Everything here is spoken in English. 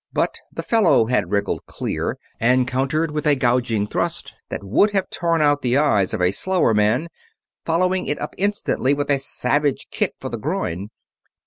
But the fellow had wriggled clear, and countered with a gouging thrust that would have torn out the eyes of a slower man, following it up instantly with a savage kick for the groin.